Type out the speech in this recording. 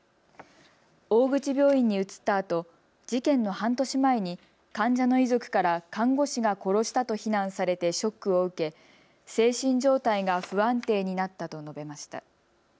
大口病院に移ったあと事件の半年前に患者の遺族から看護師が殺したと非難されてショックを受け精神状態が不安定になったと述べました。